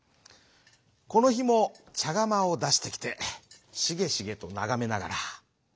このひもちゃがまをだしてきてしげしげとながめながら。